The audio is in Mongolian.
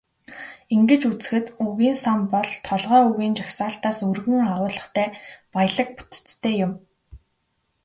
Ингэж үзэхэд, үгийн сан бол толгой үгийн жагсаалтаас өргөн агуулгатай, баялаг бүтэцтэй юм.